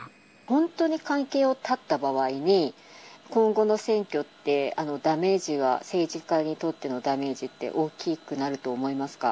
本当に関係を絶った場合に、今後の選挙って、ダメージは、政治家にとってのダメージって大きくなると思いますか？